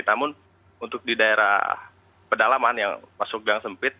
namun untuk di daerah pedalaman yang masuk gang sempit